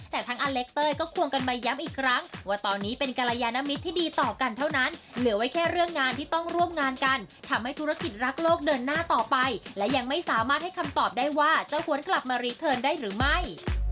แต่ทั้งอเล็กเต้ยก็ควงกันมาย้ำอีกครั้งว่าตอนนี้เป็นกรยานมิตรที่ดีต่อกันเท่านั้นเหลือไว้แค่เรื่องงานที่ต้องร่วมงานกันทำให้ธุรกิจรักโลกเดินหน้าต่อไปและยังไม่สามารถให้คำตอบได้ว่าจะหวนกลับมารีเทิร์นได้หรือไม่